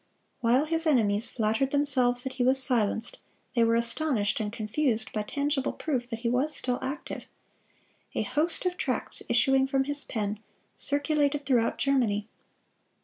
While his enemies flattered themselves that he was silenced, they were astonished and confused by tangible proof that he was still active. A host of tracts, issuing from his pen, circulated throughout Germany.